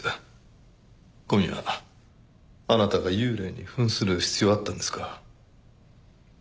今夜あなたが幽霊に扮する必要あったんですか？